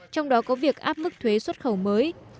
trong đó có việc áp mức thuế xuất khẩu mới